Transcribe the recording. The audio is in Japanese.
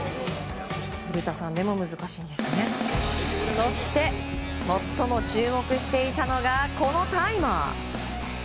そして最も注目していたのがこのタイマー。